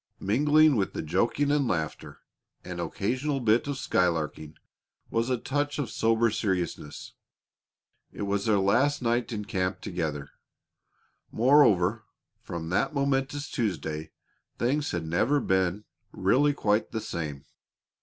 Mingling with the joking and laughter and occasional bit of skylarking was a touch of sober seriousness. It was their last night in camp together. Moreover, from that momentous Tuesday things had never been really quite the same.